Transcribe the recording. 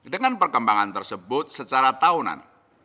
dengan perkembangan tersebut secara tahunan